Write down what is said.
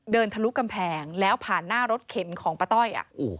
ทะลุกำแพงแล้วผ่านหน้ารถเข็นของป้าต้อย